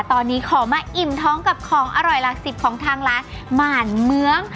ตอนนี้ขอมาอิ่มท้องกับของอร่อยหลักสิบของทางร้านหมานเมือง